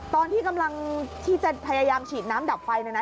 ตอนที่กำลังที่จะพยายามฉีดน้ำดับไฟเนี่ยนะ